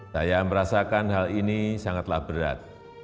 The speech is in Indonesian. saya merasakan hal ini sangatlah berat